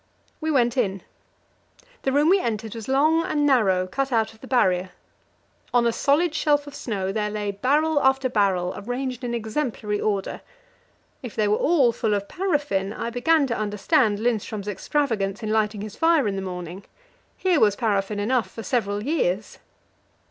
We went in. The room we entered was long and narrow, cut out of the Barrier. On a solid shelf of snow there lay barrel after barrel arranged in exemplary order; if they were all full of paraffin, I began to understand Lindström's extravagance in lighting his fire in the morning: here was paraffin enough for several years.